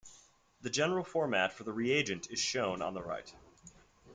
The general format for the reagent is shown on the right.